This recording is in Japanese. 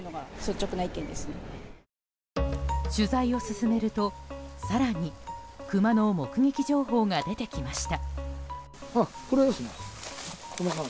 取材を進めると、更にクマの目撃情報が出てきました。